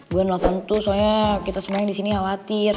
gue noventu soalnya kita semua yang disini khawatir